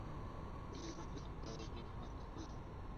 El libro, titulado "You Can Do It!